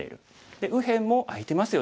で右辺も空いてますよね。